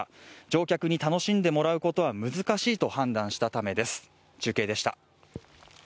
乗客に楽しんでもらうことは難しいと判断したためです。